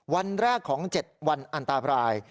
วันแรกของ๗วันอันตราย